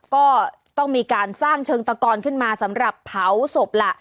ก็ต้องมีการสร้างเชิงตะกอนขึ้นมาสำหรับเผาศพล่ะ